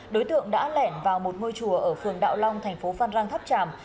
đối tượng đã lẻn vào một ngôi chùa ở phường đạo long thành phố phan rang tháp tràm